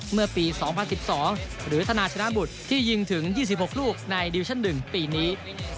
เมื่อปี๒๐๑๒หรือธนาชนะบุตรที่ยิงถึง๒๖ลูกในดิวิชั่น๑ปีนี้